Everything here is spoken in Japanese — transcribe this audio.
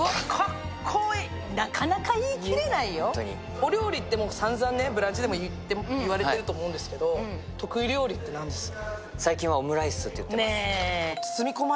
お料理ってさんざん「ブランチ」でも言われていると思うんですけれど、得意料理ってありますか？